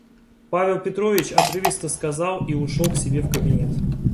Павел Петрович отрывисто сказал и ушел к себе в кабинет.